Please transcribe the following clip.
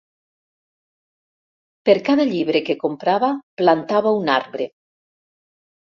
Per cada llibre que comprava, plantava un arbre.